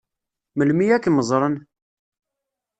Melmi ad kem-ẓṛen?